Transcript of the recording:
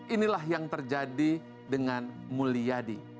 inilah yang terjadi dengan mulyadi